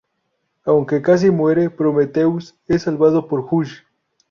Aunque casi muere, Prometheus es salvado por Hush.